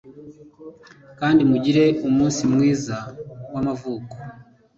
Kandi mugire umunsi mwiza wamavuko